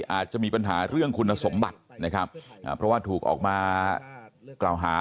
อาจจะมีปัญหาเรื่องคุณสมบัตินะครับเพราะว่าถูกออกมากล่าวหา